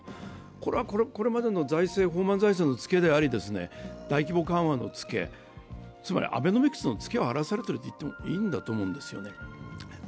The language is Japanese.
これはこれまでの放漫財政のつけであり、大規模緩和のつけ、つまりアベノミクスのつけを払わされていると言っていいんですよね。